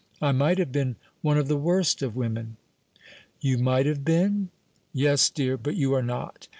I might have been one of the worst of women." "You might have been? yes, dear, but you are not.